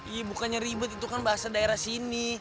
iya bukannya ribet itu kan bahasa daerah sini